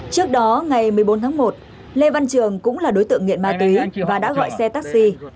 trước đó ngày một mươi bốn tháng một lê văn trường cũng là đối tượng nghiện ma túy và đã gọi xe taxi